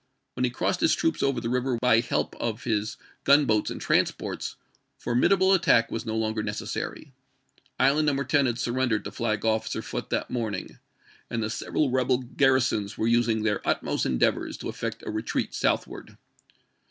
When he crossed his troops over the river by help of his gunboats and transports, formidable attack was no to weues, longer necessary. Island No. 10 had surrendered is^rVn. to Flag officer Foote that morning, and the several v. c69. " rebel garrisons were using their utmost endeavors to effect a retreat southward.